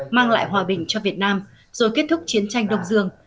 mang lại hòa bình cho việt nam rồi kết thúc chiến tranh đông dương